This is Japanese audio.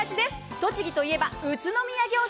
栃木といえば宇都宮餃子。